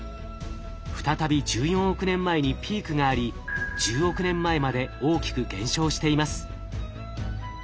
再び１４億年前にピークがあり１０億年前まで大きく減少しています。